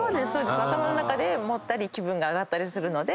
頭の中で盛ったり気分が上がったりするので。